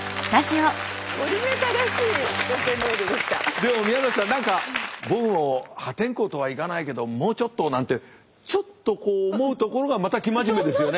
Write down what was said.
でも宮崎さん何か僕も破天荒とはいかないけどもうちょっとなんてちょっとこう思うところがまた生真面目ですよね。